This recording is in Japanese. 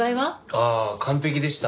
ああ完璧でした。